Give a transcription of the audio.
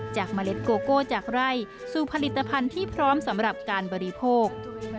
เมล็ดโกโก้จากไร่สู่ผลิตภัณฑ์ที่พร้อมสำหรับการบริโภค